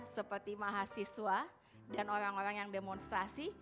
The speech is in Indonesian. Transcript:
seperti mahasiswa dan orang orang yang demonstrasi